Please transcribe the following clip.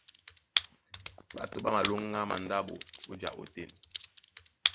Ɓato ɓá malóŋgá mandáɓo ó ja ótên.